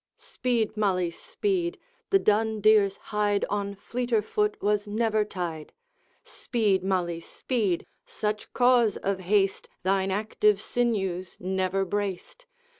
Speed, Malise, speed! the dun deer's hide On fleeter foot was never tied. Speed, Malise, speed! such cause of haste Thine active sinews never braced.